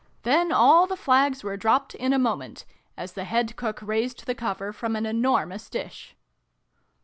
Then all the flags were dropped in a moment, as the Head Cook raised the cover from an enormous dish.